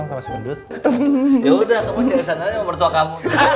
ya sudah temui cek esanggara yang bertuah kamu